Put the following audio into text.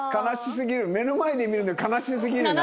目の前で見るの悲しすぎるな。